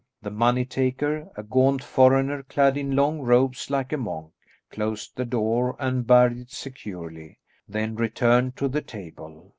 The money taker, a gaunt foreigner clad in long robes like a monk, closed the door and barred it securely, then returned to the table.